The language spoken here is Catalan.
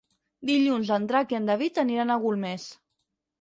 Dilluns en Drac i en David aniran a Golmés.